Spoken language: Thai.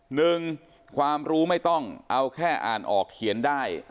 หนึ่งความรู้ไม่ต้องเอาแค่อ่านออกเขียนได้